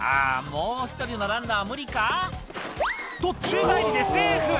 もう１人のランナーは無理か？と宙返りでセーフ！